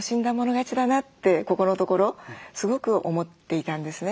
勝ちだなってここのところすごく思っていたんですね。